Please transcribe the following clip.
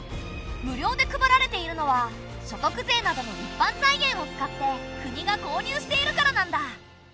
無料で配られているのは所得税などの一般財源を使って国が購入しているからなんだ。